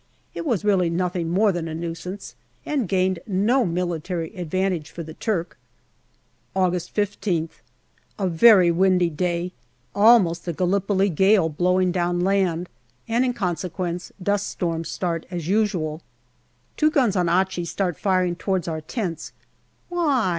It was really nothing more than a nuisance, and gained no military advantage for the Turk. August 15th. A very windy day, almost a Gallipoli gale blowing down land, and in consequence dust storms start as usual. Two guns on Achi start firing towards our tents. Why